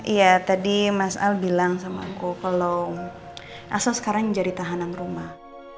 iya tadi mas al bilang sama aku kalau aso sekarang jadi tahanan rumah